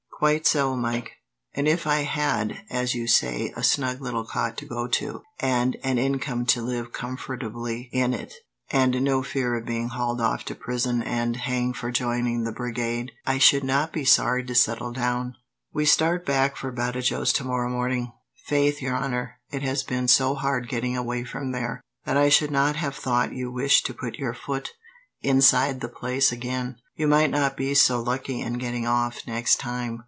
"Quite so, Mike; and if I had, as you say, a snug little cot to go to, and an income to live comfortably in it, and no fear of being hauled off to prison and hanged for joining the brigade, I should not be sorry to settle down. "We start back for Badajos tomorrow morning." "Faith, your honour, it has been so hard getting away from there, that I should not have thought you wished to put your foot inside the place again. You might not be so lucky in getting off, next time."